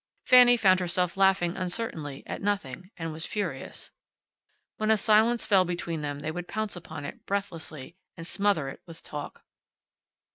Fanny found herself laughing uncertainly, at nothing, and was furious. When a silence fell between them they would pounce upon it, breathlessly, and smother it with talk.